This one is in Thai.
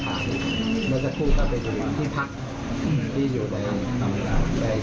ในเดือนจันทร์นี้ที่เขานอนอยู่ข้าวนีพุคเขามีข้อมันที่สำคัญ